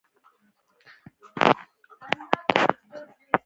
ګلداد وویل سمه ده پاچا صاحب راضي شو.